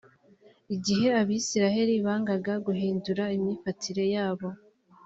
igihe abisirayeli bangaga guhindura imyifatire yabo